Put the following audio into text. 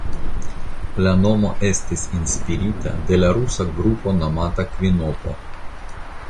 La nomo estis inspirita de la rusa grupo nomata kvinopo.